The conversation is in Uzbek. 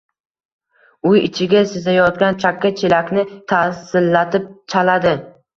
Uy ichiga sizayotgan chakka chelakni tarsillatib chaladi